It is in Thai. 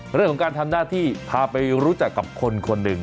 เรื่องของการทำหน้าที่พาไปรู้จักกับคนคนหนึ่ง